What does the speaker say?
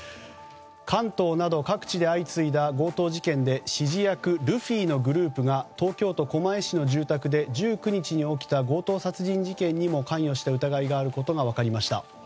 関東など各地で相次いだ強盗事件で指示役ルフィのグループが東京都狛江市の住宅で１９日に起きた強盗殺人事件にも関与した疑いがあることが分かりました。